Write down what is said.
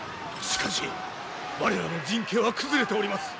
しかし我らの陣形は崩れております。